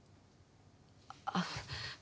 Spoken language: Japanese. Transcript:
あっ。